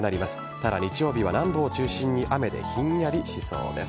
ただ、日曜日は南部を中心に雨でひんやりしそうです。